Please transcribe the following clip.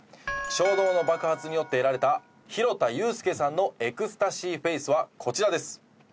衝動の爆発によって得られた弘田裕介さんのエクスタシーフェイスはこちらです。